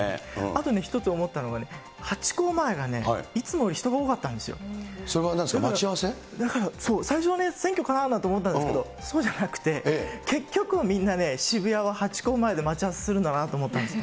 あとね、一つ思ったのがね、ハチ公前がね、それはなんですか、待ち合わそう、最初はね、選挙かなと思ったんですけど、そうじゃなくて、結局、みんなね、渋谷のハチ公前で待ち合わせするんだなと思ったんです。